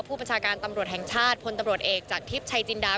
ประชาการตำรวจแห่งชาติพลตำรวจเอกจากทิพย์ชัยจินดา